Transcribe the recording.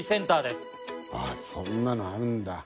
あぁそんなのあるんだ。